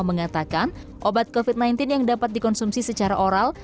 mengatakan obat covid sembilan belas yang dapat dikonsumsi secara oral